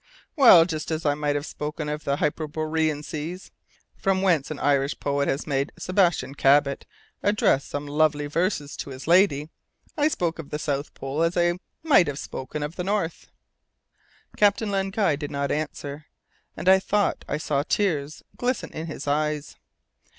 "Well, just as I might have spoken of the 'Hyperborean seas' from whence an Irish poet has made Sebastian Cabot address some lovely verses to his Lady.(1) I spoke of the South Pole as I might have spoken of the North." Captain Len Guy did not answer, and I thought I saw tears glisten in his eyes.